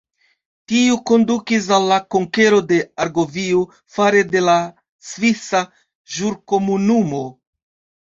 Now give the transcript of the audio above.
Tio kondukis al la konkero de Argovio fare de la Svisa Ĵurkomunumo.